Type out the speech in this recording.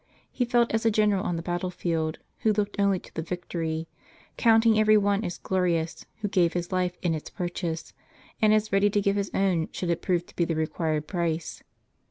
He felt as a general on the battle field, who looked only to the vic tory ; counting every one as glorious who gave his life in its purchase, and as ready to give his own should it prove to be the required price.